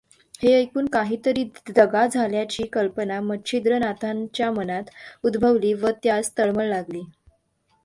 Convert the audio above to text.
हें ऐकून काहींतरी दगा झाल्याची कल्पना मच्छिंद्रनाथाच्या मनांत उद्भवली व त्यास तळमळ लागली.